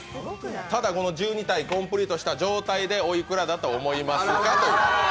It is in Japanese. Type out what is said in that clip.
ただこの１２体コンプリートした状態でおいくらだと思いますか？